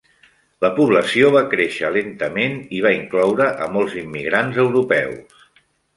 La població va créixer lentament i va incloure a molts immigrants europeus.